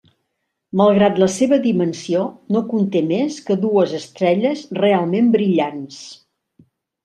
Malgrat la seva dimensió, no conté més que dues estrelles realment brillants.